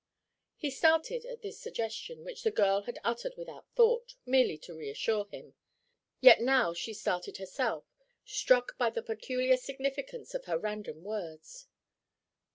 He started at this suggestion, which the girl had uttered without thought, merely to reassure him. Yet now she started herself, struck by the peculiar significance of her random words.